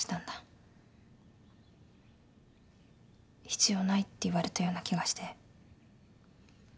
必要ないって言われたような気がして。